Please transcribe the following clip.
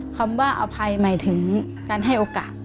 คำว่าอภัยหมายถึงการให้โอกาส